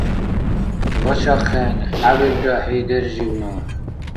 Башахъен, хӏябилра хӏи держибну!